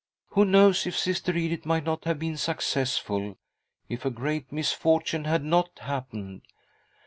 " Who knows if Sister Edith might not have been successful, if a great misfortune had not happened